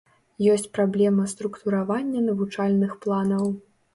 Ёсць праблема структуравання навучальных планаў.